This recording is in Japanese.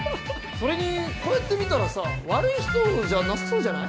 それにこうやって見たらさ悪い人じゃなさそうじゃない？